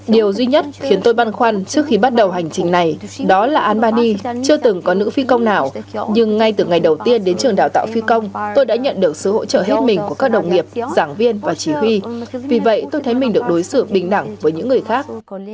điều duy nhất khiến tôi băn khoăn trước khi bắt đầu hành trình này đó là albany chưa từng có nữ phi công nào nhưng ngay từ ngày đầu tiên đến trường đào tạo phi công tôi đã nhận được sự hỗ trợ hết mình của các đồng nghiệp giảng viên và chỉ huy vì vậy tôi thấy mình được đối xử bình đẳng với những người khác